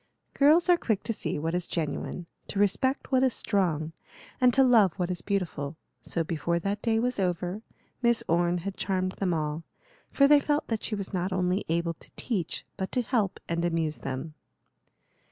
Girls are quick to see what is genuine, to respect what is strong, and to love what is beautiful; so before that day was over, Miss Orne had charmed them all; for they felt that she was not only able to teach but to help and amuse them.